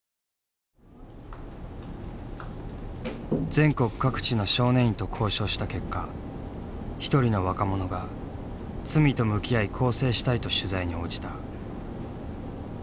全国各地の少年院と交渉した結果一人の若者が罪と向き合い更生したいと取材に応じた。